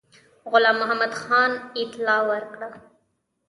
غلام محمدخان اطلاع ورکړه.